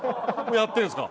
やってるんですか？